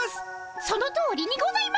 そのとおりにございます！